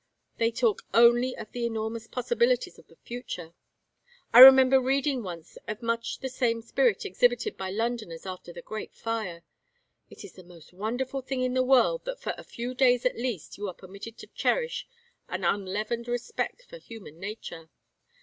They talk only of the enormous possibilities of the future. I remember reading once of much the same spirit exhibited by Londoners after the Great Fire. It is the most wonderful thing in the world that for a few days at least you are permitted to cherish an unleavened respect for human nature.